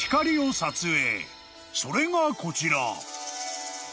［それがこちら］